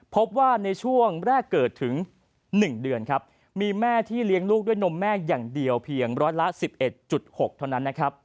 พบว่าในช่วงแรกเกิดถึง๑เดือนครับมีแม่ที่เลี้ยงลูกด้วยนมแม่อย่างเดียวเพียงร้อยละ๑๑๖เท่านั้นนะครับ